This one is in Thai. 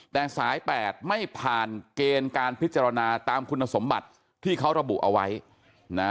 แต่สายแปดไม่ผ่านเกณฑ์การพิจารณาตามคุณสมบัติที่เขาระบุเอาไว้นะ